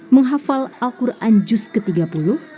menghafal al quran juzgadah